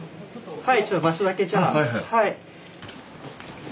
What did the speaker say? はい。